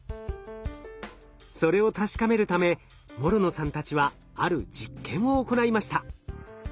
それを確かめるため諸野さんたちはある実験を行いました。